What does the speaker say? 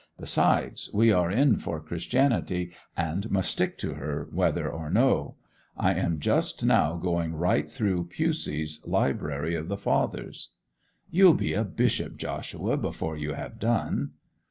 Besides, we are in for Christianity, and must stick to her whether or no. I am just now going right through Pusey's Library of the Fathers.' 'You'll be a bishop, Joshua, before you have done!